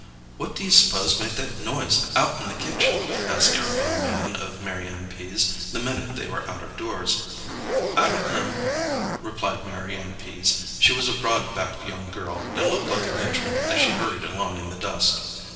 "What do you s'pose made that noise out in the kitchen?" asked Arabella Mann of Mary Ann Pease, the minute they were out of doors. "I don't know," replied Mary Ann Pease. She was a broad backed young girl, and looked like a matron as she hurried along in the dusk.